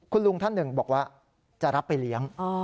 คุณลุงท่านหนึ่งบอกว่าจะรับไปเลี้ยง